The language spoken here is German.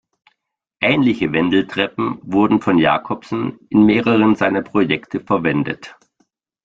Ähnliche Wendeltreppen wurden von Jacobsen in mehreren seiner Projekte verwendet.